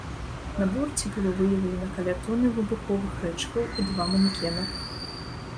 На борце было выяўлена каля тоны выбуховых рэчываў і два манекена.